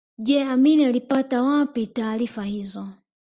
Je Amin alipata wapi taarifa hizo